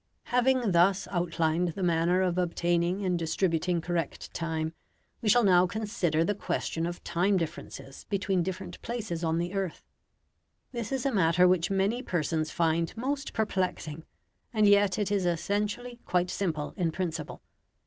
Having thus outlined the manner of obtaining and distributing correct time, we shall now consider the question of time differences between different places on the earth. This is a matter which many persons find most perplexing, and yet it is essentially quite simple in principle.